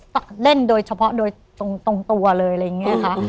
เล่นโดยเฉพาะโดยตรงตัวเลยอะไรอย่างนี้ค่ะ